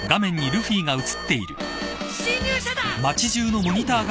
侵入者だ！